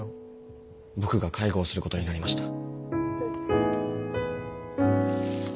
僕が介護をすることになりました。